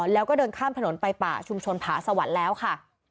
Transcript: แล้วก็เดินข้ามถนนไปป่าชุมชนผาสวรรค์แล้วค่ะ